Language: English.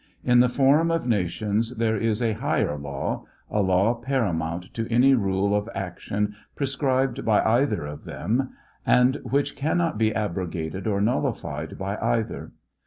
In the forum of nations there is a higher law, a law paramount to any rule of action prescribed by either of them, and which cannot be abrogated or nullified by either.